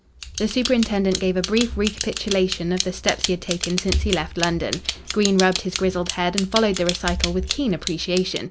The superintendent gave a brief recapitulation of the steps he had taken since he left London. Green rubbed his grizzled head and followed the recital with keen appreciation.